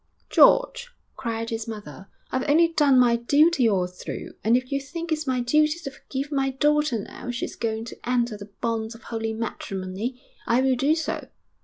'George,' cried his mother, 'I've only done my duty all through, and if you think it's my duty to forgive my daughter now she's going to enter the bonds of holy matrimony, I will do so.